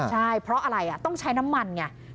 ใช่เพราะอะไรต้องใช้น้ำมันไง